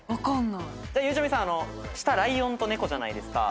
ゆうちゃみさん下ライオンと猫じゃないですか。